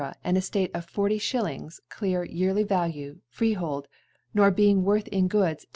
an Eftate of 40 s. clear yearly Value, Freehold, nor being worth in Goods 10